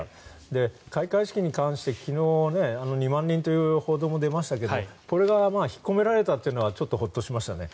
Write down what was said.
開会式に関して昨日２万人という報道も出ましたがこれが引っ込められたというのはちょっとホッとしましたね。